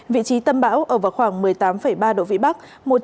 vị trí tâm bão ở vào khoảng một mươi tám ba độ vĩ bắc